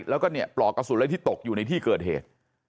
แล้วก็เนี่ยปลอกกระสุนอะไรที่ตกอยู่ในที่เกิดเหตุ